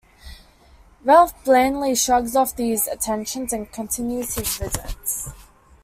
Ralph blandly shrugs off these attentions and continues his visits.